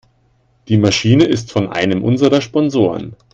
Die Maschine ist von einem unserer Sponsoren.